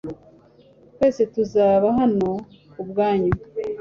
Twese tuzaba hano kubwanyu .